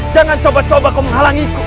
jangan coba coba kau menghalangiku